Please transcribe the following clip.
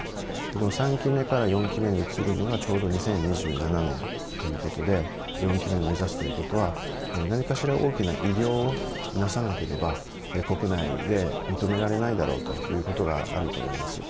この３期目から４期目に移るのがちょうど２０２７年ということで４期目を目指すということは何かしら大きな偉業をなさなければ、国内で認められないだろうということがあると思います。